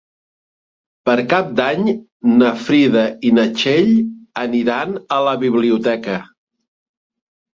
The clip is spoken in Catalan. Per Cap d'Any na Frida i na Txell aniran a la biblioteca.